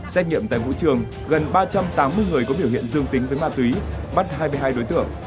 xét nghiệm tại vũ trường gần ba trăm tám mươi người có biểu hiện dương tính với ma túy bắt hai mươi hai đối tượng